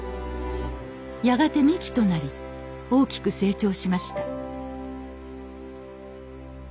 やがて幹となり大きく成長しました。